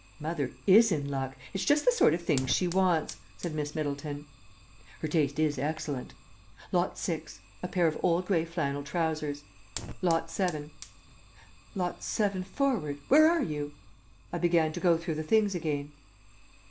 "Mother is in luck. It's just the sort of things she wants," said Miss Middleton. "Her taste is excellent. Lot Six. A pair of old grey flannel trousers. Lot Seven. Lot Seven forward. Where are you?" I began to go through the things again.